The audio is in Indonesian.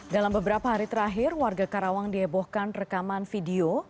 dalam beberapa hari terakhir warga karawang dihebohkan rekaman video